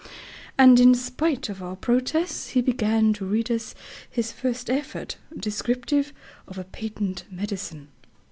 And in spite of our protests, he began to read us his first effort, descriptive of a patent medicine.